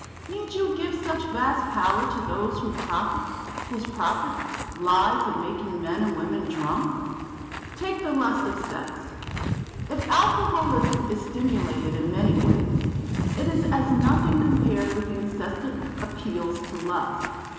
Need you give such vast power to those whose profit lies in making men and women drunk? Take the lust of sex. If alcoholism is stimulated in many ways, it is as nothing compared with the incessant appeals to lust.